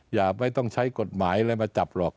อย่าไม่ต้องใช้กฎหมายอะไรมาจับหรอก